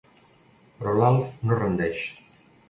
Però l'Alf no es rendeix.